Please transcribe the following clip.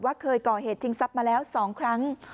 เคยก่อเหตุชิงทรัพย์มาแล้ว๒ครั้ง